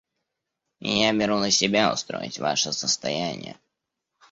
Я беру на себя устроить ваше состояние».